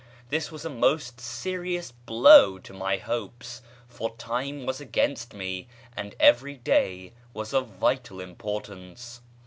This was a most serious blow to my hopes, for time was against me, and every day was of vital importance.